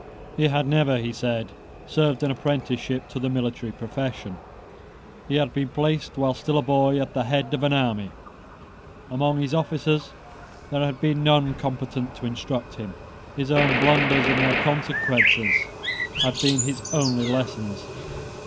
He had never, he said, served an apprenticeship to the military profession. He had been placed, while still a boy, at the head of an army. Among his officers there had been none competent to instruct him. His own blunders and their consequences had been his only lessons.